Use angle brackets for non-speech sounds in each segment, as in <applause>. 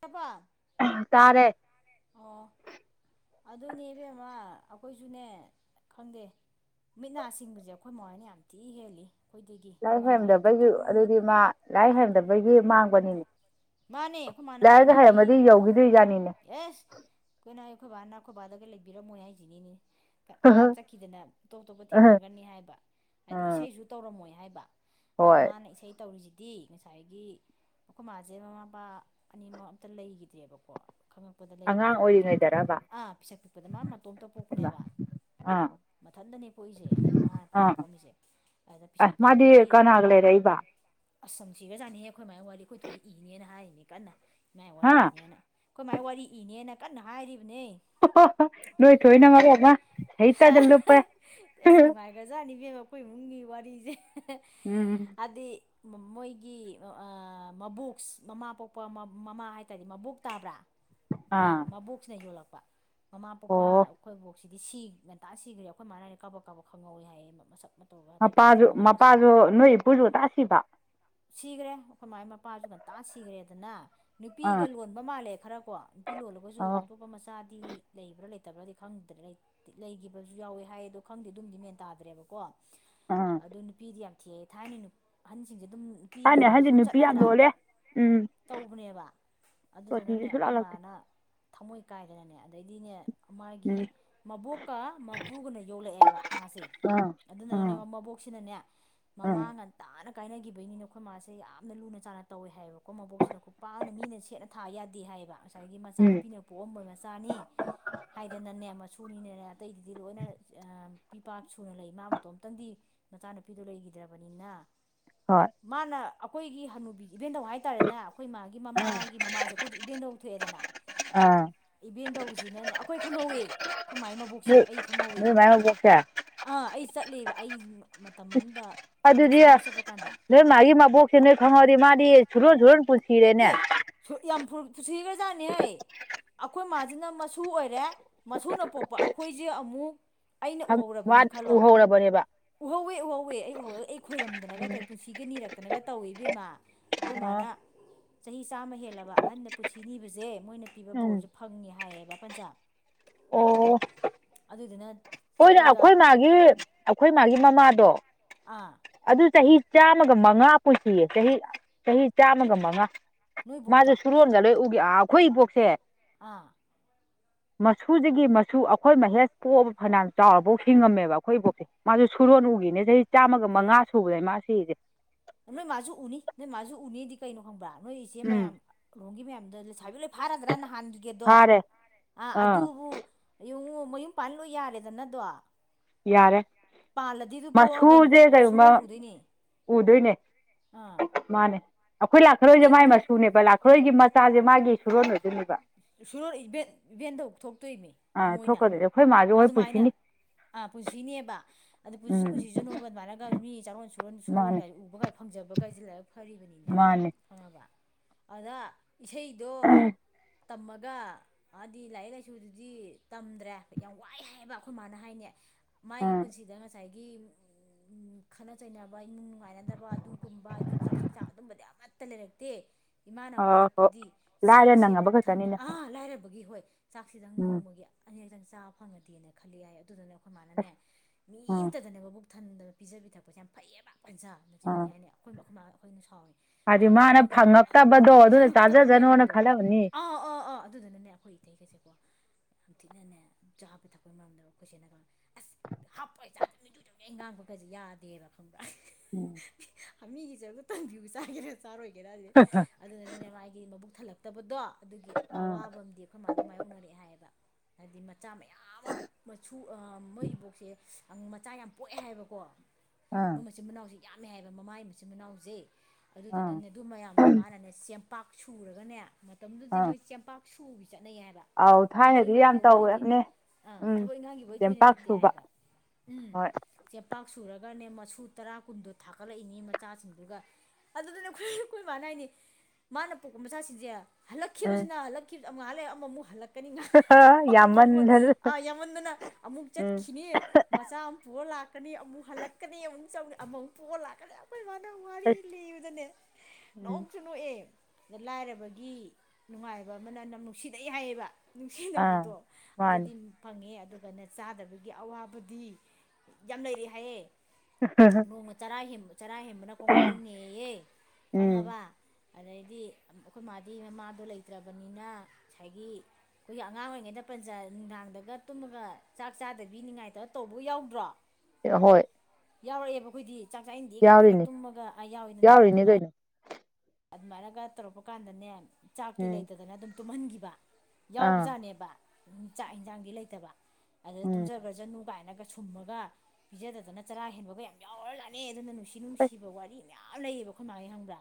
ꯇꯥꯕ꯭ꯔꯥ ꯇꯥꯔꯦ ꯑꯣ ꯑꯗꯨꯅꯦ ꯏꯕꯦꯝꯃ ꯑꯩꯈꯣꯏꯁꯨꯅꯦ ꯈꯪꯗꯦ ꯃꯤꯠ ꯅꯥ ꯁꯤꯡꯕꯁꯦ ꯑꯩꯈꯣꯏ ꯃꯤꯍꯣꯏꯅ ꯌꯥꯝ ꯊꯤ ꯍꯦꯜꯂꯤ ꯑꯩꯈꯣꯏꯗꯒꯤ ꯂꯥꯏꯔꯤꯛ ꯃꯣꯏ ꯍꯩꯔꯝꯗꯕꯒꯤ ꯈꯇꯪ ꯑꯗꯨꯗꯤ ꯃꯥ ꯂꯥꯏ ꯍꯩꯔꯝꯗꯕꯒꯤ ꯃꯥꯡꯕꯅꯤꯅꯦ ꯃꯥꯅꯦ ꯑꯩꯈꯣꯏ ꯃꯥꯅ ꯍꯥꯏꯅꯦ ꯂꯥꯏꯔꯤꯛ ꯑꯩ ꯍꯩꯔꯝꯃꯗꯤ ꯎꯝ ꯌꯧꯈꯤꯗꯣꯏꯖꯥꯠꯅꯤꯅꯦ ꯑꯦꯁ ꯀꯅꯥ ꯑꯩꯈꯣꯏ ꯕꯥ ꯅꯥ ꯑꯩꯈꯣꯏꯕꯥꯗꯒ ꯂꯩꯕꯤꯔꯝ ꯃꯣꯏ ꯍꯥꯏꯁꯤꯅꯤꯅꯤ ꯑꯥ ꯆꯠꯈꯤꯗꯅ ꯑꯇꯣꯞ ꯑꯇꯣꯞꯄ ꯊꯦꯡꯅꯒꯅꯤ ꯍꯥꯏꯕ ꯍꯥꯏꯗꯤ ꯎꯝ ꯏꯁꯩꯁꯨ ꯇꯧꯔꯝꯃꯣꯏ ꯍꯥꯏꯕ ꯑꯗ ꯍꯣꯏ ꯃꯥꯅ ꯏꯁꯩ ꯇꯧꯔꯤꯁꯤꯗꯤ ꯉꯁꯥꯏꯒꯤ ꯑꯩꯈꯣꯏ ꯃꯥ ꯃꯃꯥ ꯃꯄꯥ ꯑꯅꯤꯃꯛ ꯑꯝꯇ ꯂꯩꯈꯤꯗ꯭ꯔꯦꯕꯀꯣ ꯈꯪꯉꯛꯄꯗ ꯑꯉꯥꯡ ꯂꯩꯔꯝꯗ꯭ꯔꯦ ꯑꯩ ꯒꯤꯌꯥꯟꯗ ꯑꯣꯏꯔꯤꯉꯩꯗꯔꯕ ꯑꯥ ꯄꯤꯁꯛ ꯄꯤꯛꯄꯗ ꯃꯥ ꯃꯇꯣꯝꯇ ꯏꯃꯥ ꯄꯣꯛꯄꯅꯦꯕ ꯑꯥ ꯃꯊꯟꯇꯅꯦ ꯄꯣꯛꯏꯁꯦ ꯏꯃꯥ ꯏꯄꯥ ꯄꯣꯛꯑꯝꯃꯤꯁꯦ ꯑꯗ ꯄꯤꯁꯛ ꯑꯥꯏ ꯃꯥꯗꯤ ꯄꯤꯛꯄꯗꯒꯤ ꯀꯅꯥꯒ ꯂꯩꯔꯛꯏꯕ ꯑꯁ ꯌꯥꯝ ꯅꯨꯡꯁꯤꯒꯔꯥꯖꯥꯠꯅꯤꯌꯦ ꯑꯩꯈꯣꯏ ꯃꯥꯏ ꯋꯥꯔꯤ ꯑꯩꯈꯣꯏꯊꯣꯏ ꯑꯩꯅ ꯍꯥꯏꯔꯤꯅꯤ ꯀꯟꯅ ꯃꯥꯏ ꯍꯥ ꯋꯥꯔꯤ ꯏꯅꯦꯅ ꯑꯩꯈꯣꯏ ꯃꯥꯏ ꯋꯥꯔꯤ ꯏꯅꯦꯅ ꯀꯟꯅ ꯍꯥꯏꯔꯤꯕꯅꯦ ꯅꯣꯏ ꯊꯣꯏꯅ ꯃꯔꯣꯝꯃꯥ ꯁꯥꯍꯤꯇꯌꯥꯗ ꯂꯨꯞꯄꯦ ꯒꯖꯥꯅꯤꯕꯦꯝꯕ ꯑꯩꯈꯣꯏ ꯏꯃꯨꯡꯒꯤ ꯋꯥꯔꯤꯁꯦ ꯎꯝ ꯍꯥꯏꯗꯤ ꯃꯣꯏꯒꯤ ꯃꯕꯣꯛ ꯃꯃꯥ ꯄꯣꯛꯄ ꯃꯃꯥ ꯍꯥꯏꯇꯥꯔꯗꯤ ꯃꯕꯣꯛ ꯇꯥꯕ꯭ꯔꯥ ꯑꯥ ꯃꯕꯣꯛꯁꯤꯅ ꯌꯣꯜꯂꯛꯄ ꯃꯃꯥ ꯄꯣꯛꯄꯥ ꯑꯣ ꯑꯩꯈꯣꯏꯕꯨ ꯁꯤ ꯉꯟꯇꯥ ꯁꯤꯈ꯭ꯔꯦ ꯑꯩꯈꯣꯏ ꯃꯥꯅ ꯍꯥꯏꯅꯦ ꯀꯥꯕꯛ ꯀꯥꯕꯛ ꯈꯪꯍꯧꯋꯦ ꯍꯥꯏꯌꯦ ꯃꯁꯛ ꯃꯇꯧꯒ ꯍꯥꯏꯐꯦꯠꯇꯤ ꯃꯄꯥꯁꯨ ꯈꯪꯍꯧꯋꯤ ꯃꯄꯥꯁꯨ ꯅꯣꯏ ꯏꯄꯨꯁꯨ ꯉꯟꯇꯥ ꯁꯤꯕ ꯁꯤꯈ꯭ꯔꯦ ꯑꯩꯈꯣꯏ ꯃꯥꯏ ꯃꯄꯥꯁꯨ ꯉꯟꯇꯥ ꯁꯤꯈ꯭ꯔꯦꯗꯅ ꯑꯥ ꯅꯨꯄꯤꯒ ꯂꯣꯟꯕ ꯃꯥꯜꯂꯦ ꯈꯔꯀꯣ ꯅꯨꯄꯤ ꯂꯣꯜꯂꯒꯁꯨ ꯑꯣ ꯑꯇꯣꯞꯄ ꯃꯆꯥꯗꯤ ꯂꯩꯕ꯭ꯔꯥ ꯂꯩꯇꯕ꯭ꯔꯥꯗꯤ ꯈꯪꯗ꯭ꯔ ꯂꯩꯈꯤꯕꯁꯨ ꯌꯥꯎꯋꯦ ꯍꯥꯏ ꯑꯗꯣ ꯈꯪꯗꯦ ꯑꯗꯨꯝꯗꯤ ꯃꯦꯟ ꯇꯥꯗ꯭ꯔꯦꯕꯀꯣ ꯑꯥ ꯑꯗꯨ ꯅꯨꯄꯤꯗꯤ ꯌꯥꯝ ꯊꯤꯑꯦ ꯊꯥꯏꯅ ꯑꯍꯟꯁꯤꯡꯁꯦ ꯑꯗꯨꯝ ꯅꯨꯄꯤ ꯊꯥꯏꯅꯩ ꯑꯍꯟ ꯂꯣꯟꯕꯁꯨ ꯖꯤ ꯑꯗꯨꯝ ꯅꯨꯄꯤ ꯌꯥꯝ ꯆꯠꯅꯗ꯭ꯔꯥ ꯂꯣꯜꯂꯦ ꯎꯝ ꯇꯧꯕꯅꯦꯕ ꯁꯣꯇꯤꯁꯦ ꯑꯗꯨꯗꯨꯅꯅꯦ ꯁꯨꯡꯂꯥꯛ ꯑꯩꯈꯣꯏ ꯂꯥꯛꯇꯦ ꯃꯥꯅ ꯊꯃꯣꯏ ꯀꯥꯏꯗꯅꯅꯦ ꯑꯗꯩꯗꯤꯅꯦ ꯃꯥꯒꯤ ꯎꯝ ꯃꯕꯣꯛꯀ ꯃꯄꯨꯒꯅ ꯌꯣꯛꯂꯛꯑꯦꯕ ꯃꯥꯁꯦ ꯑꯥ ꯑꯗꯨꯅꯅꯦ ꯑꯥ ꯃꯕꯣꯛꯁꯤꯅꯅꯦ ꯑꯥ ꯃꯃꯥꯉꯟ ꯇꯥꯅ ꯀꯥꯏꯅꯈꯤꯕꯩꯅꯤꯅ ꯑꯩꯈꯣꯏ ꯃꯥꯁꯦ ꯌꯥꯝꯅ ꯂꯨꯅ ꯆꯥꯟꯅ ꯇꯧꯋꯦ ꯍꯥꯏꯕ ꯃꯕꯣꯛꯁꯤꯅ ꯈꯨꯠ ꯄꯥꯛꯅ ꯃꯤꯅ ꯁꯦꯠꯅ ꯊꯥ ꯌꯥꯗꯦ ꯍꯥꯏꯌꯦꯕ ꯉꯁꯥꯏꯒꯤ ꯎꯝ ꯃꯆꯥꯅꯨꯄꯤꯅ ꯄꯣꯛꯑꯝꯕ ꯃꯆꯥꯅꯤ ꯍꯥꯏꯗꯅꯅꯦ ꯃꯁꯨꯅꯤꯅꯅꯦ ꯑꯇꯩꯗꯨꯗꯤ ꯂꯣꯏꯅ ꯄꯤ ꯄ ꯁꯨꯅ ꯂꯩ ꯃꯥ ꯃꯇꯣꯝꯇꯪꯗꯤ ꯅꯨꯆꯥ ꯅꯨꯄꯤꯗꯣ ꯂꯩꯈꯤꯗ꯭ꯔꯕꯅꯤꯅ ꯍꯣꯏ ꯃꯥꯅ ꯑꯩꯈꯣꯏꯒꯤ ꯍꯟꯅꯨꯕꯤ ꯏꯚꯦꯟꯗꯧ ꯍꯥꯏꯇꯥꯔꯦꯅ ꯑꯩꯈꯣꯏ ꯃꯥꯒꯤ ꯃꯃꯥꯒꯤ ꯃꯃꯥꯁꯦ ꯑꯩꯈꯣꯏꯗꯤ ꯏꯕꯦꯟꯗꯧ ꯊꯣꯛꯑꯦꯗꯅ ꯑꯥ ꯏꯚꯦꯟꯗꯧ ꯁꯤꯅꯅꯦ ꯑꯩꯈꯣꯏ ꯈꯪꯍꯧꯏ ꯈꯣꯏ ꯃꯥꯏ ꯃꯕꯣꯛꯁꯦ ꯅꯣꯏ ꯑꯩ ꯈꯪꯍꯧꯏ ꯅꯣꯏ ꯃꯥꯏ ꯃꯕꯣꯛꯁꯦ ꯑꯥ ꯑꯩ ꯆꯠꯂꯦꯕ ꯑꯩ ꯃꯇꯝ ꯑꯃꯗ ꯑꯗꯨꯗꯤ ꯀꯁꯥꯔꯗ ꯆꯠꯄ ꯀꯥꯟꯗ ꯅꯣꯏ ꯃꯥꯒꯤ ꯃꯕꯣꯛꯁꯦ ꯅꯣꯏ ꯈꯪꯍꯧꯔꯗꯤ ꯃꯥꯗꯤ ꯁꯨꯔꯣꯟ ꯁꯨꯔꯣꯟ ꯄꯨꯟꯁꯤꯔꯦꯅꯦ <unintelligible> ꯑꯩꯈꯣꯏ ꯃꯥꯁꯤꯅ ꯃꯁꯨ ꯑꯣꯏꯔꯦ ꯃꯁꯨꯅ ꯄꯣꯛꯄ ꯑꯩꯈꯣꯏꯁꯦ ꯑꯃꯨꯛ ꯑꯩꯅ ꯃꯥ ꯎꯍꯧꯔꯕꯅꯤ ꯈꯜꯂꯣ ꯎꯍꯧꯔꯕꯅꯦꯕ ꯎꯍꯧꯋꯦ ꯎꯍꯧꯋꯦ ꯑꯩ ꯎꯍꯧꯋꯦ ꯑꯩ ꯈꯣꯏꯔꯝꯗꯅꯒ ꯄꯨꯟꯁꯤ ꯅꯤꯔꯛꯇꯅꯒ ꯇꯧꯋꯦ ꯏꯕꯦꯝꯃ ꯑꯩꯈꯣꯏ ꯑꯣ ꯃꯥꯅ ꯆꯍꯤ ꯆꯥꯝꯃ ꯍꯦꯜꯂꯕ ꯑꯍꯟꯗ ꯄꯨꯟꯁꯤ ꯅꯤꯕꯁꯦ ꯃꯣꯏꯅ ꯄꯤꯕ ꯎꯝ ꯕꯣꯔꯁꯦ ꯐꯪꯉꯦ ꯍꯥꯏꯌꯦꯕ ꯄꯟꯖꯥ ꯑꯣ ꯑꯗꯨꯗꯨꯅ ꯍꯣꯏꯅꯦ ꯆꯠꯂꯒ ꯑꯩꯈꯣꯏ ꯃꯥꯒꯤ ꯑꯩꯈꯣꯏ ꯃꯥꯒꯤ ꯃꯃꯥꯗꯣ ꯑꯥ ꯑꯗꯨ ꯆꯍꯤ ꯆꯥꯝꯃꯒ ꯃꯉꯥ ꯄꯨꯁꯤꯌꯦ ꯆꯍꯤ ꯆꯍꯤ ꯆꯥꯝꯃꯒ ꯃꯉꯥ ꯃꯥꯁꯨ ꯅꯣꯏꯕꯣꯛꯇꯣ ꯁꯨꯔꯣꯟꯒ ꯂꯣꯏ ꯎꯒꯤ ꯑꯩꯈꯣꯏ ꯏꯕꯣꯛꯁꯦ ꯑꯥ ꯃꯁꯨꯁꯤꯒꯤ ꯃꯁꯨ ꯑꯩꯈꯣꯏ ꯃꯍꯦꯁ ꯄꯣꯛꯑꯕ ꯐꯅꯌꯥꯝ ꯆꯥꯎꯐꯥꯎ ꯍꯤꯡꯉꯝꯃꯦꯕ ꯑꯩꯈꯣꯏ ꯏꯕꯣꯛꯁꯦ ꯃꯥꯁꯨ ꯁꯨꯔꯣꯟ ꯎꯈꯤꯅꯦ ꯆꯍꯤ ꯆꯥꯝꯃꯒ ꯃꯉꯥ ꯁꯨꯕꯗꯩ ꯃꯥ ꯁꯤꯁꯦ ꯅꯣꯏ ꯃꯥꯁꯨ ꯎꯅꯤ ꯅꯣꯏ ꯃꯥꯁꯨ ꯎꯅꯤꯗꯤ ꯀꯩꯅꯣ ꯈꯪꯕ꯭ꯔꯥ ꯅꯣꯏ ꯏꯆꯦ ꯎꯝ ꯃꯌꯥꯝ ꯂꯣꯝꯒꯤ ꯃꯌꯥꯝꯗ ꯂꯩꯁꯥꯕꯤ ꯐꯥꯔꯒ꯭ꯔꯥ ꯅꯍꯥꯟꯒꯦꯗꯣ ꯑ ꯐꯥꯔꯦ ꯑꯥ ꯑꯗꯨꯕꯨ ꯍꯌꯨꯉꯨ ꯃꯌꯨꯝ ꯄꯥꯜꯂꯣ ꯌꯥꯔꯦꯗꯅꯗꯣ ꯌꯥꯔꯦ ꯄꯥꯜꯂꯗꯤꯗꯨ ꯄꯣꯛꯑꯒ ꯃꯆꯨꯁꯦ ꯀꯩꯒꯨꯝꯕ ꯁꯨꯔꯣꯟ ꯎꯗꯣꯏꯅꯦ ꯎꯗꯣꯏꯅꯦ ꯑꯥ ꯃꯥꯅꯦ ꯑꯩꯈꯣꯏ ꯎꯅꯤ ꯂꯥꯛꯈꯔꯣꯏꯁꯦ ꯃꯥꯏ ꯎꯅꯤ ꯃꯆꯨꯅꯦꯕ ꯂꯥꯛꯈꯔꯣꯏꯒꯤ ꯃꯆꯥꯁꯦ ꯃꯥꯒꯤ ꯁꯨꯔꯣꯟꯕꯗꯨꯣꯏꯅꯦꯕ ꯁꯨꯔꯣꯟ ꯏꯚꯦꯟ ꯏꯚꯦꯟꯗꯧ ꯊꯣꯛꯇꯣꯏꯅꯤ ꯑꯥ ꯊꯣꯛꯀꯗꯣꯏꯗꯤ ꯑꯩꯈꯣꯏ ꯃꯥꯁꯨ ꯍꯣꯏ ꯄꯨꯁꯤꯅꯤ ꯑꯥ ꯄꯨꯟꯁꯤꯅꯦꯕ ꯑ ꯑꯗꯨ ꯄꯨꯟꯁꯤ ꯎꯝ ꯄꯨꯟꯁꯤ ꯆꯅꯨꯕ ꯑꯗꯨꯃꯥꯏꯒ ꯃꯤ ꯆꯥꯔꯣꯟ ꯁꯨꯔꯣꯟ ꯁꯨꯨꯔꯣꯟ ꯃꯥꯅꯦ ꯀꯥꯏ ꯎꯕꯒꯥꯏ ꯐꯪꯖꯕꯒꯥꯏꯁꯦ ꯂꯥꯏꯕꯛ ꯐꯔꯤꯕꯅꯤꯅꯦ ꯃꯥꯅꯦ ꯈꯪꯉꯕ ꯑꯗ ꯏꯁꯩꯗꯣ ꯇꯝꯃꯒ ꯑꯗꯤ ꯂꯥꯏꯔꯤꯛ ꯂꯥꯏꯁꯨꯗꯨꯗꯤ ꯇꯝꯗ꯭ꯔꯦ ꯌꯥꯝ ꯋꯥꯏ ꯍꯥꯏꯕ ꯑꯩꯈꯣꯏ ꯃꯥꯅ ꯍꯥꯏꯅꯦ ꯃꯥꯒꯤ ꯎꯝ ꯄꯨꯟꯁꯤꯗ ꯉꯁꯥꯏꯒꯤ ꯈꯠꯅ ꯆꯩꯅꯕ ꯏꯃꯨꯡ ꯅꯨꯡꯉꯥꯏꯅꯗꯕ ꯑꯗꯨꯒꯨꯝꯕ ꯆꯨꯛꯆꯥꯛ ꯆꯨꯛꯆꯥꯛ ꯑꯗꯨꯝꯕꯗꯤ ꯑꯃꯠꯇ ꯂꯩꯔꯛꯇꯦ ꯏꯃꯥꯅ ꯑꯣ ꯍꯣ ꯋꯥꯔꯛꯄꯗꯤ ꯂꯥꯏꯔ ꯆꯥꯛꯁꯦ ꯅꯪꯉꯕ ꯊꯟꯅ ꯈꯛꯇꯅꯤꯅ ꯑꯥ ꯂꯥꯏꯔꯕꯒꯤ ꯍꯣꯏ ꯆꯥꯛꯁꯤꯗꯪ ꯎꯝ ꯅꯣꯡꯃꯒꯤ ꯑꯅꯤꯔꯛꯇꯪ ꯆꯥꯕ ꯐꯪꯉꯗꯤꯅ ꯈꯜꯂꯦ ꯌꯥꯏ ꯑꯗꯨꯗꯨꯅ ꯈꯣꯏ ꯃꯥꯅꯅꯦ ꯑꯁ ꯃꯤ ꯑ ꯎꯝ ꯑꯃꯇꯗꯅꯦꯕ ꯕꯨꯛ ꯊꯟꯗ ꯄꯤꯖꯕꯤ ꯊꯛꯄꯁꯦ ꯌꯥꯝ ꯐꯩꯌꯦꯕꯥ ꯄꯟꯁꯥ ꯅ ꯆꯤꯟꯊꯤ ꯑꯥ ꯍꯥꯏꯅꯤ ꯑꯩꯈꯣꯏꯕ ꯑꯩꯈꯣꯏꯃ ꯑꯩꯈꯣꯏꯅꯤ ꯁꯥꯎꯋꯦ ꯍꯥꯏꯗꯤ ꯃꯊꯣꯡ ꯃꯔꯝ ꯃꯥꯅ ꯈꯪꯗꯦ ꯐꯪꯉꯛꯇꯕꯗꯣ ꯑꯗꯨꯅ ꯐꯪꯉꯛꯇꯕ ꯆꯥꯖꯖꯅꯣꯅ ꯃꯌꯥꯝꯗꯣ ꯈꯜꯂꯝꯅꯤ ꯑꯥ ꯑꯥ ꯑꯥ ꯑꯗꯨꯗꯨꯅꯅꯦ ꯑꯩꯈꯣꯏ ꯏꯇꯩꯒꯩꯁꯦꯀꯣ ꯌꯥꯝꯊꯤꯅꯅꯦ ꯆꯥꯕ ꯊꯛꯄꯒꯤ ꯃꯔꯝꯗꯣ ꯑꯩꯈꯣꯏꯆꯦꯅꯀꯣ ꯑꯁ ꯍꯥꯞꯄ ꯆꯥ ꯑꯗꯨꯝ <unintelligible> ꯉꯥꯡꯕꯒꯁꯦ ꯌꯥꯗꯦꯕ ꯈꯪꯕ꯭ꯔ ꯎꯝ ꯃꯤꯒꯤ ꯆꯔꯛꯇ ꯇꯟꯕꯤꯕ ꯆꯥꯒꯦꯔꯥ ꯆꯥꯔꯣꯏꯒꯦꯔꯗꯤ ꯑꯗꯨꯅꯅꯦꯅꯦ ꯃꯥꯥꯏꯒꯤ ꯃꯕꯨꯛ ꯊꯜꯂꯛꯇꯕꯗꯣ ꯑꯗꯨꯒꯤ ꯑꯥ ꯑꯋꯥꯕ ꯑꯃꯗꯤ ꯑꯩꯈꯣꯏ ꯃꯥꯗ ꯃꯥꯏꯌꯣꯛꯅꯔꯛꯑꯦ ꯍꯥꯏꯌꯦꯕ ꯍꯥꯏꯗꯤ ꯃꯆꯥ ꯃꯌꯥꯝ ꯑꯃ ꯃꯁꯨ ꯃꯣꯏ ꯏꯕꯣꯛꯁꯦ ꯃꯆꯥ ꯌꯥꯝ ꯄꯣꯛꯑꯦ ꯍꯥꯏꯕꯀꯣ ꯑꯥ ꯃꯣꯏ ꯃꯆꯤꯟ ꯃꯅꯥꯎꯁꯦ ꯌꯥꯝꯃꯦ ꯍꯥꯏꯕ ꯃꯃꯥꯏꯒꯤ ꯃꯆꯤꯟ ꯃꯅꯥꯎꯁꯦ ꯑꯥ ꯑꯗꯨꯗꯨꯅꯅꯦ ꯑꯗꯨ ꯃꯌꯥꯝꯗꯣ ꯃꯥꯅꯅꯦ ꯆꯄꯥꯛ ꯁꯨꯔꯒꯅꯦ ꯃꯇꯝꯗꯨꯗꯤ ꯃꯣꯏ ꯆꯦꯡꯄꯥꯛ ꯁꯨꯕꯤ ꯆꯠꯅꯩ ꯍꯥꯏꯕ ꯑꯥꯎ ꯊꯕꯛ ꯊꯥꯏꯅꯗꯤ ꯌꯥꯝ ꯏꯟꯈꯥꯡꯒꯤ ꯋꯥꯔꯤꯗꯤ ꯇꯧꯋꯦꯕꯅꯦ ꯑꯥ ꯎꯝ ꯊꯕꯛ ꯏꯟꯈꯥꯡꯒꯤ ꯋꯥꯔꯤ ꯊꯣꯏꯅ ꯆꯦꯡꯄꯥꯛ ꯁꯨꯕ ꯍꯣꯏ ꯆꯦꯡꯄꯥꯛ ꯁꯨꯔꯒꯅꯦ ꯃꯁꯨ ꯇꯔꯥ ꯀꯨꯟꯗꯣ ꯊꯥꯒꯠꯂꯛꯏꯅꯤ ꯃꯆꯥꯁꯤꯡꯗꯨꯒ ꯑꯗꯨꯗꯨꯅꯦ ꯑꯩꯈꯣꯏ ꯑꯩꯈꯣꯏ ꯃꯥꯅ ꯍꯥꯏꯅꯤ ꯃꯥꯅ ꯄꯣꯛꯄ ꯃꯆꯥꯁꯤꯡꯁꯦ ꯎꯝ ꯍꯜꯂꯛꯈꯤꯕꯁꯤꯅ ꯍꯜꯂꯛꯈꯤꯕ ꯉꯛꯥ ꯂꯩꯔꯛ ꯑꯃꯨꯛ ꯍꯜꯂꯀꯅꯤ ꯉꯥꯛ ꯄ ꯑꯃꯃꯨꯛ ꯌꯥꯝꯃꯟꯗꯅ ꯑꯥ ꯌꯥꯝꯃꯟꯗꯅ ꯑꯃꯨꯛ ꯎꯝ ꯆꯠꯈꯤꯅꯤ ꯃꯆꯥ ꯑꯃ ꯄꯨꯔ ꯂꯥꯛ ꯂꯥꯛꯀꯅꯤ ꯑꯃꯨꯛ ꯍꯜꯂꯛꯀꯅꯤ ꯑꯃꯨꯛ ꯆꯪ ꯑꯃꯨꯛ ꯄꯣꯛꯑꯒ ꯂꯥꯛꯀꯅꯤ ꯑꯩꯈꯣꯏ ꯏꯃꯅ ꯋꯥꯔꯤ ꯂꯤꯕꯗꯅꯦ ꯑꯁ ꯅꯣꯛꯁꯨ ꯅꯣꯛꯑꯦ ꯑꯗ ꯂꯥꯏꯔꯕꯒꯤ ꯅꯨꯡꯉꯥꯏꯕ ꯑꯃꯅ ꯅ ꯅꯨꯡꯁꯤꯗꯩ ꯍꯥꯏꯌꯦꯕ ꯑꯥ ꯅꯨꯡꯁꯤꯅꯕꯗꯣ ꯃꯥꯅꯤ ꯑꯗꯨꯗꯤ ꯐꯪꯉꯦ ꯑꯗꯨꯒꯅ ꯆꯥꯗꯕꯒꯤ ꯑꯋꯥꯕꯗꯤ ꯌꯥꯝ ꯂꯩꯔꯤ ꯍꯥꯏꯌꯦ <unintelligible> ꯆꯔꯥ ꯍꯦꯟꯕ ꯆꯔꯥ ꯍꯦꯟꯕꯅ ꯀꯣꯡꯒꯥꯏ ꯑꯃ ꯅꯦꯌꯦ ꯎꯝ ꯈꯪꯉꯕ ꯑꯗꯩꯗꯤ ꯑꯩꯈꯣꯏ ꯃꯥꯗꯤ ꯃꯃꯗꯣ ꯂꯩꯇ꯭ꯔꯕꯅꯤꯅ ꯉꯁꯥꯏꯒꯤ ꯑꯩꯈꯣꯏꯒꯤ ꯑꯉꯥꯡ ꯑꯣꯏꯔꯤꯉꯩꯗ ꯄꯟꯆꯥ ꯅꯨꯡꯗꯥꯡꯗꯒ ꯇꯨꯝꯃꯒ ꯆꯥꯛ ꯆꯥꯗꯕꯤ ꯅꯤꯡꯉꯏꯇꯧ ꯇꯧꯕ ꯌꯥꯎꯗ꯭ꯔꯣ ꯍꯣꯏ ꯌꯥꯎꯔꯛꯑꯦꯕ ꯑꯩꯈꯣꯏꯗꯤ ꯆꯥꯛ ꯆꯥ ꯏꯟꯗꯦ ꯀꯥꯏꯅꯒ ꯌꯥꯎꯔꯤꯅꯤ ꯇꯨꯝꯃꯒ ꯌꯥꯎꯋꯤꯗꯅ ꯌꯥꯎꯔꯤꯅꯤ ꯑꯗꯨꯃꯥꯏꯅ ꯀꯩꯅꯣ ꯑꯗꯨꯃꯥꯏꯅꯒ ꯇꯧꯔꯛꯄ ꯀꯥꯟꯗꯅꯦ ꯆꯥꯛꯇꯤ ꯎꯝ ꯂꯩꯇꯗꯅ ꯑꯗꯨꯝ ꯇꯨꯝꯍꯟꯈꯤꯕ ꯑꯥ ꯌꯥꯎꯕꯖꯥꯠꯅꯦꯕ ꯆꯥꯛ ꯏꯟꯁꯥꯡꯗꯤ ꯂꯩꯇꯕ ꯑꯗꯨꯗ ꯎꯝ ꯇꯨꯝꯖꯈ꯭ꯔ ꯐꯖꯅꯨ ꯀꯥꯏꯅꯒ ꯁꯨꯝꯃꯒ ꯄꯤꯖꯗꯅ ꯆꯔꯥ ꯍꯦꯟꯕꯒ ꯌꯥꯝ ꯌꯥꯎꯔ ꯖꯠꯅꯦ ꯑꯗꯨꯗꯨꯅ ꯅꯨꯡꯁꯤ ꯑꯁ ꯅꯨꯡꯁꯤꯕ ꯋꯥꯔꯤ ꯃꯌꯥꯝ ꯂꯩꯌꯦꯕ ꯑꯩꯈꯣꯏ ꯃꯥꯒꯤ ꯈꯪꯕ꯭ꯔꯥ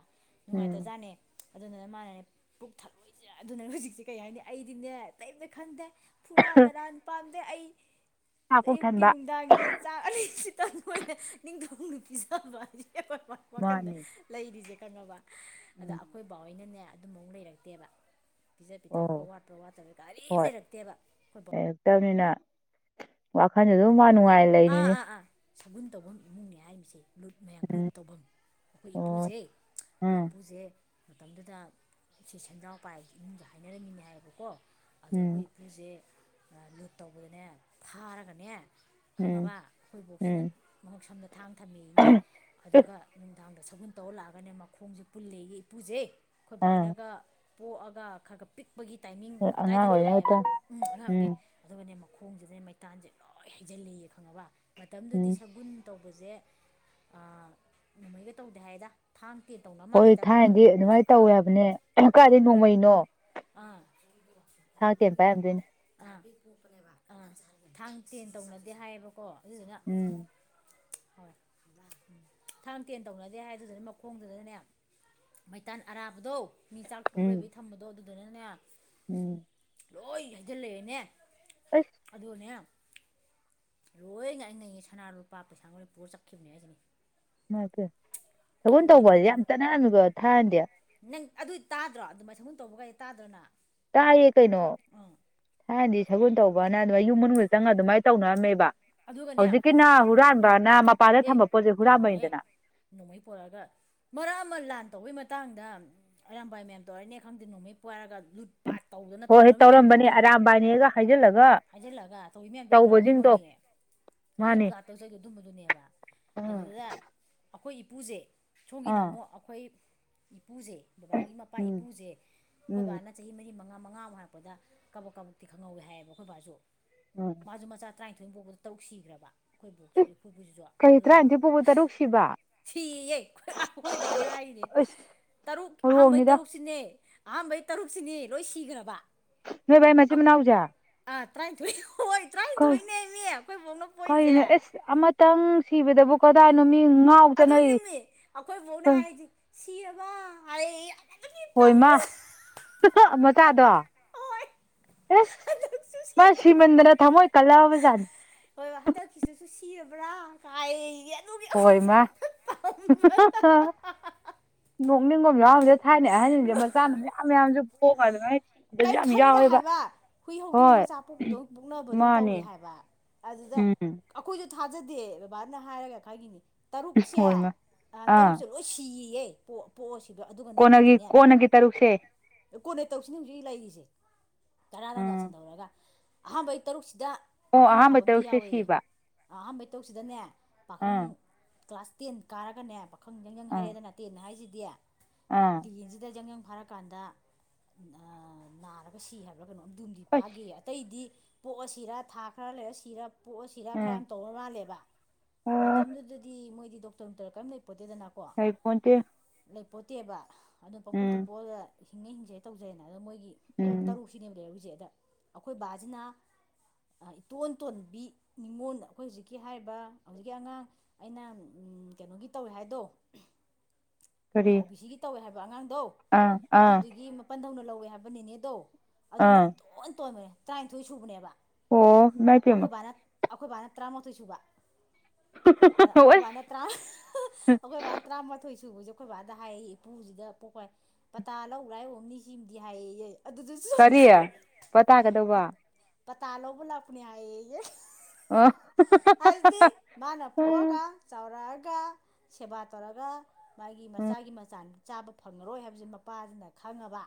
ꯎꯝ ꯅꯨꯡꯉꯥꯏꯇꯖꯥꯠꯅꯦ ꯑꯗꯨꯅꯅ ꯃꯥꯅꯅꯦ ꯄꯨꯛ ꯊꯠꯂꯣꯏꯏꯁꯦ ꯑꯗꯨꯅꯅ ꯍꯧꯖꯤꯛꯁꯦ ꯀꯩ ꯍꯥꯏꯅꯤ ꯑꯩꯗꯤꯅꯦ ꯑꯇꯩꯑꯝꯇ ꯈꯟꯗꯦ ꯐꯨꯔꯥ ꯗꯔꯥꯟ ꯄꯥꯝꯗꯦ ꯑꯩ ꯆꯥꯛ ꯄꯨꯛ ꯑꯌꯨꯛꯀꯤ ꯊꯟꯕ ꯅꯨꯡꯗꯥꯡꯒꯤ ꯆꯥ ꯑꯅꯤ ꯁꯤꯇꯪ ꯃꯣꯏꯅ ꯅꯤꯡꯊꯧ ꯅꯨꯡꯇꯤ ꯆꯥꯕ ꯍꯥꯏꯁꯦ <unintelligible> ꯋꯥꯈꯟꯗ ꯃꯥꯅꯤ ꯂꯩꯔꯤꯖꯦ ꯈꯪꯉꯕ꯫ ꯑꯗ ꯎꯝ ꯑꯈꯣꯢ ꯕꯥ ꯍꯣꯢꯅꯅꯦ ꯑꯗꯨꯝꯕꯃꯨꯛ ꯂꯩꯔꯛꯇꯦꯕ꯫ ꯄꯤꯖ ꯄꯤꯊꯛꯄ ꯑꯣ ꯋꯥꯠꯄ ꯋꯥꯠꯇꯕ ꯀꯔꯤꯝ ꯂꯩꯔꯛꯇꯦꯕ꯫ ꯑꯩꯈꯣꯏ ꯂꯩꯔꯛꯇꯝꯅꯤꯅ ꯋꯥꯈꯜꯖꯦ ꯑꯗꯨꯝ ꯃꯥ ꯅꯨꯡꯉꯥꯏ ꯑꯥ ꯂꯩꯔꯤꯅꯤ ꯑꯥ ꯑꯥ ꯁꯒꯨꯟ ꯇꯧꯕꯝ ꯏꯃꯨꯡꯅꯦ ꯍꯥꯏꯔꯤꯁꯦ꯫ ꯂꯨꯠ ꯃꯌꯥꯝ ꯂꯨꯠ ꯎꯝ ꯇꯧꯕꯝ ꯑꯈꯣꯏ ꯑꯣ ꯏꯄꯨꯖꯦ ꯑꯈꯣꯏ ꯎꯝ ꯏꯄꯨꯖꯦ ꯃꯇꯝꯗꯨꯗ ꯁꯤ ꯁꯦꯟꯖꯥꯎ ꯄꯥꯏ ꯏꯃꯨꯡꯖꯦ ꯍꯥꯏꯅꯔꯝꯃꯤꯅꯦ ꯍꯥꯏꯌꯦꯕꯀꯣ꯫ ꯑꯗꯥ ꯑꯈꯣꯏ ꯎꯝ ꯏꯄꯨꯖꯦ ꯂꯨꯠ ꯇꯧꯕꯗꯅꯦ ꯐꯥꯔꯒꯅꯦ꯫ ꯎꯝ ꯈꯪꯉꯕ ꯑꯈꯣꯏ ꯕꯣꯛꯁꯤꯅ ꯎꯝ ꯃꯉꯛꯁꯝꯗ ꯊꯥꯡ ꯊꯝꯃꯦꯏꯅꯦ ꯑꯗꯨꯒ ꯅꯨꯡꯗꯥꯥꯡꯗ ꯁꯒꯨꯟ ꯇꯧꯔ ꯂꯥꯛꯑꯒꯅꯦ ꯃꯈꯣꯡꯖꯦ ꯄꯨꯜꯂꯦꯌꯦ ꯏꯄꯨꯁꯦ ꯑꯩꯈꯣꯏ ꯑꯥ ꯕꯥꯏꯍꯣꯢꯅꯒ꯫꯫ ꯄꯣꯛꯑꯒ ꯈꯔ ꯈꯔ ꯄꯤꯛꯄꯒꯤ ꯇꯥꯏꯃꯤꯡ ꯍꯣꯏ ꯑꯉꯥꯡ ꯀꯗꯥꯏꯗꯅꯦ ꯑꯣꯏꯔꯤꯉꯩꯗ ꯍꯥꯏꯌꯦꯕ ꯎꯝ ꯑꯉꯥꯡꯒꯤ꯫ ꯑꯗꯨꯒꯅꯦ ꯃꯈꯣꯡꯖꯤꯗꯅꯦ ꯃꯩꯇꯥꯟꯁꯦ ꯂꯣꯏ ꯍꯩꯖꯤꯜꯂꯦꯌꯦ ꯈꯪꯉꯕ ꯃꯇꯝꯗꯨꯗꯤ ꯎꯝ ꯁꯒꯨꯟ ꯇꯧꯕꯖꯦ ꯑ ꯅꯣꯡꯃꯩꯒ ꯇꯧꯗꯦ ꯍꯥꯏꯗ꯫ ꯊꯥꯡ ꯇꯦꯟ ꯇꯧꯅ ꯍꯣꯏ ꯃꯥꯜꯂꯦꯗꯀꯣ ꯊꯥꯏꯅꯗꯤ ꯑꯗꯨꯃꯥꯏꯟ ꯇꯧꯋꯦ ꯑꯥ ꯍꯥꯏꯕꯅꯦ ꯀꯥꯏꯗꯩ ꯍꯣꯏ ꯅꯣꯡꯃꯩꯅꯣ꯫ ꯑꯥ꯫ ꯁꯥ ꯀꯦꯝ ꯄꯥꯏꯔꯝꯗꯣꯏꯅꯣ ꯑ ꯑꯥ ꯊꯥꯡ ꯇꯦꯟ ꯇꯧꯅꯗꯦ ꯍꯥꯏꯌꯦꯕꯀꯣ꯫ ꯑꯗꯨꯗꯨꯅ ꯎꯝ ꯍꯣꯏ꯫ ꯊꯥꯡ ꯇꯦꯟ ꯇꯧꯅꯗꯦ ꯍꯥꯏꯗꯨꯗꯅ ꯃꯈꯣꯡꯗꯨꯗꯅꯅꯦ ꯃꯩꯇꯥꯟ ꯑꯔꯥꯕꯗꯣ ꯃꯤ ꯆꯥꯛ ꯊꯣꯡ ꯎꯝ ꯂꯣꯏꯕꯒꯤ ꯊꯝꯕꯗꯣ ꯑꯗꯨꯗꯨꯅꯅꯦ꯫ ꯎꯝ꯫ ꯂꯣꯏ ꯍꯩꯖꯤꯜꯂꯦꯑꯦꯅꯦ ꯑꯁ ꯑꯗꯨꯑꯅꯦ ꯂꯣꯏ ꯉꯥꯏꯅꯩꯌꯦ ꯁꯅꯥ ꯂꯨꯄꯥ ꯄꯩꯁꯥ ꯂꯣꯏ ꯄꯨꯔ ꯆꯠꯈꯤꯕꯅꯦ ꯍꯥꯏꯁꯤꯅꯦ꯫ ꯏꯃꯥꯢ ꯄꯦꯃ ꯁꯒꯨꯟ ꯍꯣꯏꯅ ꯇꯧꯕꯁꯦ ꯌꯥꯝ ꯃꯇꯝꯗ ꯆꯠꯅꯔꯝꯅꯤꯀꯣ ꯊꯥꯏꯅꯗꯤ꯫ ꯅꯪ ꯑꯗꯨꯗꯤ ꯇꯥꯗ꯭ꯔꯣ ꯑꯗꯨ ꯃꯥꯏ ꯇꯧꯕꯒ ꯇꯥꯗ꯭ꯔꯣꯅ꯫ ꯇꯥꯏꯌꯦ ꯀꯩꯅꯣ꯫ ꯊꯥꯏꯅꯗꯤ ꯁꯒꯨꯟ ꯇꯧꯕꯅ ꯑꯗꯨꯃꯥꯏ ꯌꯨꯝ ꯃꯅꯨꯡꯗ ꯆꯪꯉꯒ ꯑꯗꯨꯃꯥꯏꯅ ꯇꯧꯅꯔꯝꯃꯦꯕ꯫ ꯑꯗꯨꯒꯅꯦ ꯑꯦ ꯍꯧꯖꯤꯛꯀꯤꯅ ꯍꯨꯔꯥꯟꯕꯅ ꯃꯄꯥꯟꯗ ꯊꯝꯕ ꯄꯣꯠꯁꯦ ꯇꯧꯅꯤꯅꯦꯍꯦ ꯍꯨꯔꯥꯟꯕꯅꯤꯗꯅ꯫ ꯅꯣꯡꯃꯩ ꯄꯣꯔꯛꯑꯒ ꯃꯔꯛ ꯑꯃ ꯂꯥꯟ ꯇꯧꯕꯩ ꯃꯇꯥꯡꯗ꯫ ꯑꯔꯥꯕꯥꯏ ꯃꯌꯥꯝ ꯇꯧꯔꯦꯅꯦ ꯈꯪꯗꯦ ꯅꯣꯡꯃꯩ ꯄꯥꯏꯔꯒ ꯂꯨꯠ ꯄꯥꯠ ꯇꯧꯗꯅ ꯍꯣꯏ ꯍꯣꯏ ꯇꯧꯅꯔꯝꯃꯤ ꯃꯌꯥꯝꯗꯣ ꯇꯧꯔꯝꯕꯅꯦ ꯎꯗ꯭ꯔꯣ ꯑꯔꯥꯝꯕꯥꯏꯅꯦꯒ ꯍꯥꯏꯖꯤꯜꯂꯒ꯫ ꯍꯥꯏꯖꯤꯜꯂꯒ ꯇꯧꯔꯤ ꯃꯌꯥꯝꯗꯣ ꯎꯗ꯭ꯔꯣ ꯇꯧꯕꯁꯤꯡꯗꯣ ꯑꯗꯨꯝꯕꯅꯦ꯫ ꯂꯨꯠ ꯃꯥꯅꯤ ꯄꯥꯠꯇꯧ ꯆꯩꯗ ꯑꯗꯨꯝꯕꯗꯨꯅꯦꯕ ꯎꯝ ꯑꯗꯨꯗꯨꯗ ꯑꯈꯣꯏ ꯏꯄꯨꯁꯦ ꯁꯣꯝꯒꯤꯅ ꯑꯥ ꯑꯃꯨꯛ ꯑꯈꯣꯏ ꯏꯄꯨꯁꯦ ꯕꯕꯥꯒꯤ ꯃꯄꯥ ꯎꯝ ꯏꯄꯨꯖꯦ ꯑꯩꯈꯣꯏ ꯎꯝ ꯕꯥꯅ ꯆꯍꯤ ꯃꯔꯤ ꯃꯉꯥ ꯃꯉꯥꯃꯨꯛ ꯍꯥꯏꯔꯛꯄꯗ ꯀꯕꯛ ꯀꯕꯛꯇꯤ ꯈꯪꯍꯧꯋꯦ ꯍꯥꯏꯌꯦꯕ ꯑꯈꯣꯏ ꯕꯥꯖꯨ꯫ ꯎꯝ꯫ ꯃꯥꯖꯨ ꯃꯆꯥ ꯇꯔꯥꯅꯤꯊꯣꯏ ꯄꯣꯛꯕꯗ ꯇꯔꯨꯛ ꯁꯤꯒ꯭ꯔꯕ ꯑꯩꯈꯣꯏꯈꯣꯏꯕꯨꯁꯤꯁꯨ ꯀꯩ ꯑꯗꯨꯒ꯫ ꯇꯔꯥꯅꯤꯊꯣꯏ ꯄꯣꯛꯄ ꯇꯔꯨꯛ ꯁꯤꯕ ꯁꯤ ꯑꯌꯦ ꯑ ꯈ ꯑꯈꯣꯏ ꯕꯥꯅ ꯍꯥꯏꯔꯤꯅꯦ꯫ ꯑꯁ ꯇꯔꯨꯛ ꯑꯍꯥꯥꯟꯕꯩ ꯍꯧꯔꯣꯡꯅꯤꯗ ꯇꯔꯨꯛꯁꯤꯅꯦ ꯑꯍꯥꯥꯟꯕꯩ ꯇꯔꯨꯛꯁꯤꯅꯦ ꯂꯣꯏ ꯁꯤꯒ꯭ꯔꯕ꯫ ꯅꯣꯏꯚꯥꯏ ꯃꯆꯤꯟ ꯃꯅꯥꯎꯖꯦ꯫ ꯑ ꯇ꯭ꯔꯥꯏꯊꯣꯏ ꯍꯣꯏ ꯇ꯭ꯔꯥ ꯀꯩ ꯀꯩ ꯑꯦꯁ ꯑꯃꯇꯪ ꯁꯤꯕꯗꯕꯨ ꯀꯗꯥꯏꯅꯣ ꯃꯤ ꯉꯥꯎ ꯆꯠꯅꯩ꯫ ꯁꯤꯑꯕ ꯍꯥꯢ ꯑꯑꯗꯒꯤ ꯋꯥꫭꯏ ꯍ ꯍ ꯃꯆꯥꯗꯣ꯫ ꯍꯣꯏ ꯑꯦꯁ ꯍꯟꯗꯛꯁꯨ ꯃꯥ ꯁꯤꯔꯕ꯭ꯔꯥ ꯁꯤꯃꯟꯗꯅ ꯊꯝꯃꯣꯏ ꯀꯜꯂꯑꯕꯖꯥꯠꯅꯤ꯫ ꯍꯣꯏ ꯍꯟꯗꯛꯀꯤꯁꯤꯁꯨ ꯁꯤꯔꯕ꯭ꯔꯥ ꯍꯥꯏꯌꯦ ꯑꯗꯨꯒꯤ ꯍꯣꯏ ꯃ ꯑꯩꯈꯣꯏ ꯍ ꯍ ꯍ ꯍ ꯅꯣꯛꯅꯤꯡꯕꯝ ꯌꯥꯎꯔꯝꯃꯅꯤ꯫ ꯊꯥꯏꯅꯩ ꯑꯍꯟꯖꯤꯡꯁꯦ ꯃꯆꯥꯅ ꯃꯌꯥꯝ ꯃꯌꯥꯝꯁꯨ ꯄꯣꯛꯑꯒ ꯑꯗꯨꯃꯥꯏꯅ ꯁꯤꯕꯁꯨ ꯀꯩꯝ ꯌꯥꯝ ꯈꯟꯗꯦ ꯌꯥꯎꯋꯦꯕ ꯍꯥꯏꯕ ꯍꯨꯏ ꯍꯧꯗꯣꯡ ꯍꯣꯏ ꯃꯆꯥ ꯄꯣꯛꯄꯗꯧ ꯄꯨꯛꯅꯕꯗꯧ ꯇꯧꯋꯦ ꯃꯥꯅꯦ ꯍꯥꯏꯕ꯫ ꯑꯗꯨꯗ ꯎꯝ ꯑꯩꯈꯣꯏꯁꯨ ꯊꯥꯖꯗꯦ ꯕꯕꯥꯅ ꯍꯥꯏꯔꯒ ꯈꯪꯉꯤꯅꯤ ꯇꯔꯨꯛꯁꯦ ꯍꯣꯏ ꯃꯥ ꯑꯥ ꯇꯔꯨꯛꯁ‌ꯦ ꯂꯣꯏ ꯁꯤꯌꯦ ꯄꫭꯛ ꯄꯣꯛꯑꯁꯤꯕ ꯑꯗꯨꯒꯅꯦ ꯀꯣꯟꯅꯒꯤ ꯑꯃꯗꯤꯅꯦ ꯀꯣꯟꯅꯒꯤ ꯇꯔꯨꯛꯁꯦ ꯑꯦ ꯀꯣꯟꯅꯩ ꯇꯧꯁꯤꯅꯦ ꯍꯧꯖꯤꯛ ꯂꯩꯔꯤꯁꯦ ꯇꯔꯥꯗꯥ ꯋꯥ ꯎꯝ ꯁꯟꯗꯧꯔꯒ ꯑꯍꯥꯟꯕꯩ ꯇꯔꯨꯛꯁꯤꯗ ꯑꯣ ꯄꯥꯈꯪ ꯑꯍꯥꯟꯕ ꯐꯕꯝꯗꯤ ꯇꯔꯨꯛꯁꯦ ꯌꯥꯎꯋꯦꯌꯦ ꯁꯤꯕ ꯑꯍꯥꯟꯕꯩ ꯇꯧꯁꯤꯗꯅꯦ ꯄꯥꯈꯪ ꯑꯥ ꯀ꯭ꯂꯥꯁ ꯇꯦꯟ ꯀꯥꯔꯒꯅꯦ ꯈꯪꯗ‌ꯦ <unintelligible> ꯑꯥ ꯍꯥꯏꯔꯛꯦꯗ ꯅꯠꯇꯦꯅ ꯍꯥꯏꯁꯤꯗꯤ ꯑꯥ ꯌꯦꯟꯁꯤꯗ ꯌꯥꯪ ꯌꯥꯪ ꯐꯥꯔꯀꯥꯟꯗ ꯅꯥꯔꯒ ꯁꯤ ꯍꯥꯏꯕ꯭ꯔꯥ ꯀꯩꯅꯣ ꯑꯝ ꯝꯗꯤ ꯑꯁ ꯐꯥꯒꯦ ꯑꯇꯩꯗꯤ ꯄꯣꯛꯑ ꯁꯤꯔ ꯊꯥ ꯈꯔ ꯂꯩꯔ ꯁꯤꯔ ꯄꯣꯛꯑꯁꯤꯔ ꯈꯔ ꯎꯝ ꯌꯥꯝ ꯇꯧꯔ ꯃꯥꯜꯂꯦꯕ ꯑꯣ ꯃꯇꯝꯗꯨꯗꯗꯤ ꯃꯣꯏꯗꯤ ꯗꯣꯛꯇꯔ ꯅꯨꯡꯇꯔ ꯀꯔꯤꯝ ꯂꯩꯄꯣꯠꯇ‌ꯦꯗꯅ ꯂꯩꯄꯣꯟꯇꯦ ꯂꯩ ꯄꯣꯟꯇꯦꯕ ꯑꯗꯨꯝ ꯄꯪꯄꯣꯛꯇ ꯄꯣꯛꯑꯒ ꯍꯤꯡꯉ ꯍꯤꯡꯖꯔ‌ꯦ ꯇꯧꯖꯔ‌ꯦꯅ ꯑꯗꯨ ꯃꯣꯏꯒꯤ ꯎꯝ ꯇꯔꯨꯛꯁꯤꯅꯦꯕ ꯂꯩꯔꯛꯏꯁꯦ ꯑꯗ ꯑꯩꯈꯣꯏ ꯕꯥꯁꯤꯅ ꯑꯥ ꯏꯇꯣꯟꯇꯣꯟꯕꯤ ꯅꯤꯉꯣꯟꯜꯗ ꯑꯩꯈꯣꯏ ꯍꯧꯖꯤꯛꯀꯤ ꯍꯥꯏꯔꯤꯕ ꯍꯧꯖꯤꯛꯀꯤ ꯑꯉꯥꯡ ꯑꯩꯅ ꯎꯝ ꯀꯩꯅꯣꯒꯤ ꯇꯧꯋꯦ ꯍꯥꯏꯗꯣ ꯀꯔꯤ ꯑꯣ ꯕꯤ ꯁꯤꯒꯤ ꯇꯧꯋꯦ ꯍꯥꯏꯕ ꯑꯉꯥꯡꯗꯣ ꯑꯥ ꯑꯥ ꯑꯗꯨꯗꯨꯒꯤ ꯃꯄꯟꯗꯧꯅ ꯂꯧꯋꯦ ꯍꯥꯏꯕ ꯅꯤꯅꯦ ꯡꯗꫭ ꯑꯗꯨꯅ ꯑꯥ ꯏꯇꯣꯟ ꯇꯣꯟꯕꯅꯦ ꯇꯔꯥꯅꯤꯊꯣꯏ ꯁꯨꯕꯅꯦꯕ ꯑꯣ ꯏꯃꯥꯏꯄꯦꯝꯃ ꯑꯩꯈꯣꯏ ꯕꯥꯅ ꯑꯩꯈꯣꯏ ꯕꯥꯅ ꯇꯔꯥꯃꯥꯊꯣꯏ ꯁꯨꯕ ꯑꯗ ꯑꯩꯈꯣꯏ ꯕꯥꯅ ꯑꯁ ꯇꯔꯥꯃ ꯑꯩꯈꯣꯏ ꯕꯥꯅ ꯇꯔꯥꯃꯥꯊꯣꯏ ꯁꯨꯕꯁꯦ ꯑꯩꯈꯣꯏ ꯕꯥꯗ ꯍꯥꯏ ꯏꯄꯨꯁꯤꯗ ꯄꯣꯛꯄ ꯄꯇꯥ ꯂꯧꯕ ꯂꯥꯛꯏ ꯑꫭꯏꯔꯝꯅꯤ ꯁꯤꯃꯗꯤ ꯍꯥꯏꯌꯦꯌꯦ ꯑꯗꯨꯗꯨꯁꯨ ꯀꯔꯤ ꯄꯇꯥꯒꯗꯧꯕ ꯄꯇꯥ ꯂꯧꯕ ꯂꯥꯛꯄꯅꯤ ꯍꯥꯏꯌꯦ ꯑꯣ ꯍꯥꯏꯗꯤ ꯃꯥꯅꯄꫭꯛꯑꯒ ꯎꯝ ꯆꯥꯎꯔꯛꯑꯒ ꯁꯦꯕꯥ ꯇꯧꯔꯒ ꯃꯥꯒꯤ ꯃꯆꯥꯒꯤ ꯃꯆꯥꯥ ꯆꯥꯕ ꯐꯪꯉꯔꯣꯏ ꯍꯥꯏꯕꯁꯤ ꯃꯄꯥꯁꯤꯅ ꯈꯪꯉꯕ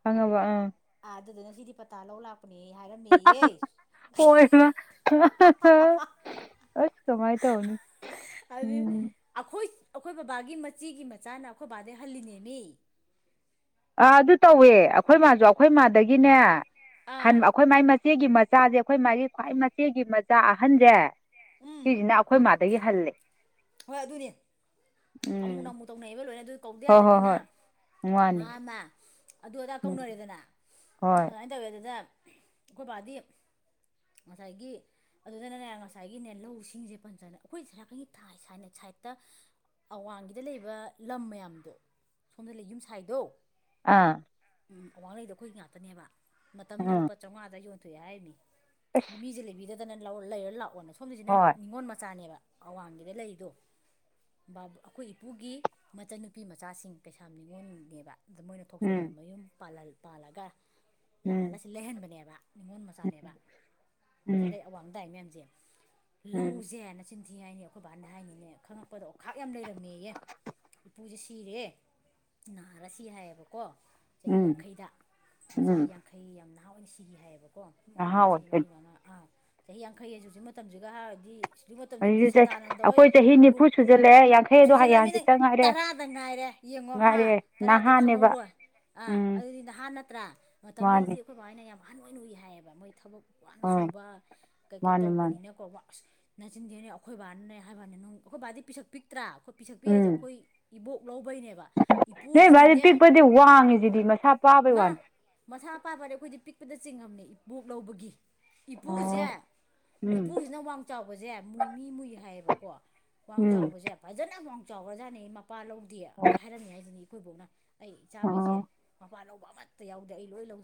ꯈꯪꯉꯕ ꯑꯥ ꯑꯥ ꯑꯗꯨꯗꯅ ꯁꯤꯗꯤ ꯄꯇꯥ ꯂꯧ ꯂꯥꯛꯄ ꯄꯅ‌ꯦ ꯍꯥꯏꯔꯝ ꯍꯃ ꯑꯁ ꯀꯃꯥꯏ ꯇꯧꯅꯤ <unintelligible> ꯑꯗꯨ ꯎꯝ ꯑꯩꯈꯣꯏ ꯑꯩꯈꯣꯏ ꯕꯕꯥꯒꯤ ꯃꯆꯤꯒꯤ ꯃꯆꯥꯅ ꯑꯩꯈꯣꯏ ꯕꯕꯥꯗꯩ ꯍꯜꯂꯤꯅꯦꯃꯤ ꯑꯥ ꯑꯗꯨ ꯇꯧꯋꯦ ꯑꯩꯈꯣꯏ ꯃꯥꯁꯨ ꯑꯩꯈꯣꯏ ꯃꯥꯗꯒꯤꯅꯦ ꯑꯥ ꯑꯩꯈꯣꯏ ꯃꯥꯏ ꯃꯆꯦꯒꯤ ꯃꯆꯥꯁꯦ ꯑꯩꯈꯣꯏ ꯃꯥꯥꯏꯒꯤ ꯈ꯭ꯋꯥꯏ ꯃꯆꯦꯒꯤ ꯃꯆꯥ ꯑꯍꯟꯁꯦ ꯎꯝ ꯁꯤꯁꯤꯅ ꯑꯩꯈꯣꯏ ꯃꯥꯗꯒꯤ ꯍꯜꯂꯦ ꯍꯣꯏ ꯑꯗꯨꯅꯦ ꯊꯃꯨ ꯎꯝ ꯅꯃꯨ ꯇꯧꯅꯩꯑꯕ ꯂꯣꯏꯅ ꯑꯗꯨ ꯀꯧꯗ ꯍꯣꯏ ꯍꯣꯏ ꯌꯥꯗꯕꯅꯤꯅ ꯍꯣꯏ ꯃꯥ ꯃꯥꯅꯤ ꯃꯥ ꯑꯗꯨ ꯑꯗꯥ ꯎꯝ ꯀꯧꯅꯔꯦꯗꯅ ꯍꯣꯏ ꯑꯗꯨꯃꯥꯏꯅ ꯇꯧꯋꯦ ꯑꯗꯨꯗ ꯑꯩꯈꯣꯏ ꯕꯥꯗꯤ ꯉꯁꯥꯏꯒꯤ ꯑꯗꯨꯗꯅꯅꯦ ꯉꯁꯥꯏꯒꯤꯅꯦ ꯂꯧ ꯁꯤꯡꯁꯦ ꯄꯟꯖꯅꯦ ꯑꯩꯈꯣꯏ ꯁꯦꯔꯥꯛꯀꯟꯒꯤ ꯊꯥꯏ ꯁꯥꯏꯠꯇ ꯑꯋꯥꯡꯒꯤꯗ ꯂꯩꯕ ꯂꯝ ꯃꯌꯥꯝꯗꯣ ꯁꯣꯝꯗ ꯂꯩ ꯌꯨꯝꯁꯥꯏꯗꯣ ꯑꯥ ꯑꯋꯥꯡꯂꯩꯗꫭ ꯑꯩꯈꯣꯏ ꯉꯥꯛꯇꯅꯦꯕ ꯃꯇꯝꯗꯨꯗ ꯎꯝ ꯂꯨꯄꯥ ꯆꯥꯝꯃꯉꯥꯗ ꯌꯣꯟꯊꯣꯛꯑꯦ ꯍꯥꯏꯔꯤꯅꯤ ꯑꯁ ꯃꯤꯁꯦ ꯂꯩꯕꯤꯗꯗꯅ ꯂꯧ ꯂꯩꯔ ꯂꯥꯛꯑꯣꯅ ꯁꯣꯝꯒꯤꯁꯤꯅ ꯍꯣꯏ ꯅꯤꯡꯉꯣꯜ ꯃꯆꯥꯅꯦꯕ ꯑꯋꯥꯡꯒꯤꯗ ꯂꯩꯔꯤꯗꯣ ꯕꯥ ꯑꯩꯈꯣꯏ ꯏꯄꯨꯒꯤ ꯃꯆꯟꯅꯨꯄꯤ ꯃꯆꯥꯁꯤꯡ ꯀꯩꯁꯥꯝ ꯒꯅꯤꯉꯣꯟꯅꯦꯕ ꯑꯗ ꯃꯣꯏꯅ ꯊꯣꯛꯆꯣꯝꯅ ꯎꯝ ꯃꯌꯨꯝꯜ ꯄꯥꯜꯂꯒ ꯂꯥꯛꯑꯜꯂ ꯎꯝ ꯁꯤ ꯂꯩꯍꯟꯕꯅꯦꯕ ꯅꯤꯉꯣꯜ ꯃꯆꯥꯅꯦꯕ ꯎꯝ ꯁꯤꯤꯜꯂꯩ ꯑꯋꯥꯡꯝꯗꯥꯏ ꯃꯌꯥꯝꯁꯦ ꯎꯝ ꯂꯧꯁꯦ ꯆꯤꯟꯊꯤ ꯍꯥꯏꯅꯤ ꯑꯩꯈꯣꯏ ꯕꯥꯅ ꯍꯥꯏꯅꯤꯅꯦ ꯈꯪꯉꯛꯄꯗꯣ ꯑꯣꯈꯥꯛ ꯌꯥꯝ ꯂꯩꯔꯝꯃꯦꯌꯦ ꯏꯄꯨꯖꯦ ꯁꯤꯔꯦ ꯅꯥꯔ ꯁꯤ ꯍꯥꯏꯌꯦꯕꯀꯣ ꯆꯍꯤ ꯎꯝ ꯌꯥꯡꯈꯩꯗ ꯆꯍꯤ ꯎꯝ ꯌꯥꯡꯈꯩ ꯌꯥꯝ ꯅꯍꯥ ꯑꯣꯏꯅ ꯁꯤꯈꯤ ꯍꯥꯏꯌꯦꯕꯀꯣ ꯑꯈꯣꯏ ꯅꯍꯥ ꯕꯥꯅ ꯆꯍꯤ ꯑꯣꯏ ꯑꯅꯥ ꯑꯥ ꯆꯍꯤ ꯌꯥꯡꯈꯩ ꯑꯖꯤ ꯍꯧꯖꯤꯛ ꯃꯇꯝꯖꯤꯒ ꯍꯥꯏꯔꯨꯔꯗꯤ ꯁꯤꯒꯤ ꯃꯇꯝꯗꯗꯤ ꯍꯧꯖꯤꯛꯁꯦ ꯁꯗꯥꯅꯟꯗ ꯍꯣꯏ ꯑꯩꯈꯣꯏ ꯆꯍꯤ ꯅꯤꯐꯨ ꯒꯨꯀꯨꯜ ꯁꯨꯖꯜꯂꯛꯑꯦ ꯌꯥꯡꯈꯩꯗꯣ ꯍꯌꯦꯡ ꯁꯨꯖꯜꯂꯃꯤ ꯅꯪ ꯍꯪꯆꯤꯠꯇ ꯉꯥꯏꯔꯦ ꯇꯔꯥꯗ ꯉꯥꯏꯔꯦ ꯌꯦꯡꯉꯣ ꯍꯥ ꯉꯥꯏꯔꯦ ꯇꯔꯥꯗ ꯅꯍꯥꯅꯦꯕ ꯈꯪꯍꯧꯔꯣꯏ ꯑꯥ ꯎꯝ ꯑꯗꯨꯗꯤ ꯅꯍꯥ ꯅꯠꯇ꯭ꯔꯥ ꯃꯥꯅꯤ ꯃꯇꯝꯗꯨꯗꯗꯤ ꯑꯩꯈꯣꯏ ꯑꯗꯨꯃꯥꯏꯅ ꯌꯥꯝ ꯑꯍꯟ ꯑꯣꯏꯅ ꯎꯏ ꯍꯥꯏꯌꯦꯕ ꯃꯣꯏ ꯊꯕꯛ ꯋꯥꯅ ꯎꯝ ꯁꯨꯕ ꯀꯩ ꯀꯩ ꯃꯥꯅꯤ ꯃꯥꯅꯤ ꯇꯧꯕꯅꯤꯅꯀꯣ ꯋꯥ ꯑꯁ ꯅꯆꯤꯟ ꯊꯤꯅꯤ ꯑꯈꯣꯏ ꯕꯥꯅꯅꯦ ꯍꯥꯏꯕꯋꯥꯅꯤ ꯅꯪ ꯑꯩꯈꯣꯏ ꯕꯥꯗꯤ ꯄꯤꯁꯛ ꯄꯤꯛꯇ꯭ꯔꯥ ꯑꯈꯣꯏ ꯄꯤꯁꯛ ꯄꯤꯛ ꯍꯥꯏꯖꯦ ꯎꯝ ꯑꯩꯈꯣꯏ ꯏꯕꯣꯛ ꯂꯧꯕꯩꯅꯦꯕ ꯅꯣꯏ ꯚꯥꯏꯗꯤ ꯏꯄꯨꯁꯤꯗꯤꯅꯦ ꯄꯤꯛꯄꯗꯤ ꯋꯥꯡꯒꯤꯖꯤꯗꯤ ꯃꯁꯥ ꯄꯥꯕꯩ ꯃꯥ ꯋꯥꯅꯤ ꯃꯁꯥ ꯄꯥꯕꯋꯥꯅꯦ ꯑꯩꯈꯣꯏꯗꯤ ꯄꯤꯛꯄꯗ ꯆꯤꯡꯉꯝꯅꯦ ꯏꯕꯣꯛ ꯂꯧꯕꯒꯤ ꯏꯄꯨꯖꯦ ꯑꯣ ꯎꯝ ꯏꯄꯨꯖꯤꯅ ꯋꯥꯡ ꯆꯥꯎꯕꯖꯦ ꯃꯨꯏ ꯃꯤ ꯃꯨꯏ ꯍꯥꯏꯌꯦꯕꯀꯣ ꯋꯥꯡ ꯎꯝ ꯆꯥꯎꯕꯖꯦ ꯐꯖꯅ ꯋꯥꯡ ꯆꯥꯎꯒꯔꯖꯥꯠꯅꯦ ꯃꯄꯥ ꯂꯧꯗꯦ ꯑꯣ ꯂꯣꯏ ꯍꯥꯏꯔꯝꯃꯤ ꯍꯥꯏꯖꯤꯅꯤ ꯑꯩꯈꯣꯏ ꯕꯣꯛꯅ ꯑꯩ ꯏꯆꯥꯈꯩꯖꯦ ꯃꯄꯥ ꯂꯧꯕ ꯑꯃꯠꯇ ꯌꯥꯎꯗꯦ ꯑꯩ ꯂꯣꯏ ꯂꯧꯏ